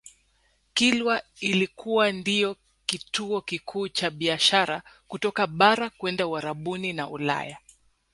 Kilwa ilikuwa ndiyo kituo kikuu cha biashara kutoka bara kwenda Uarabuni na Ulaya